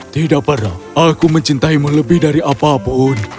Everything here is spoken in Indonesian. tidak pernah aku mencintaimu lebih dari apapun